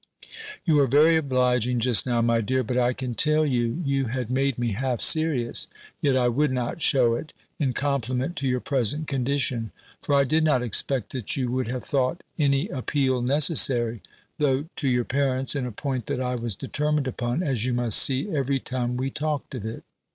"You are very obliging, just now, my dear; but I can tell you, you had made me half serious; yet I would not shew it, in compliment to your present condition; for I did not expect that you would have thought any appeal necessary, though to your parents, in a point that I was determined upon, as you must see, every time we talked of it."